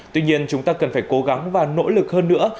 tuy nhiên chúng ta cần phải cố gắng và nỗ lực hơn nữa